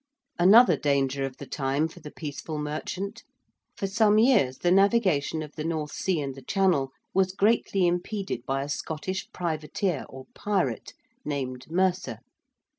Another danger of the time for the peaceful merchant. For some years the navigation of the North Sea and the Channel was greatly impeded by a Scottish privateer or pirate named Mercer.